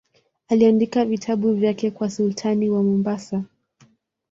Aliandika vitabu vyake kwa sultani wa Mombasa.